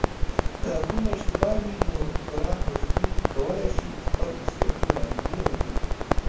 که کومه اشتباه وي نو ګران لوستونکي کولای شي خپل اصلاحي وړاندیزونه وکړي